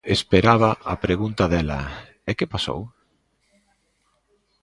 Esperaba a pregunta dela: –¿E que pasou?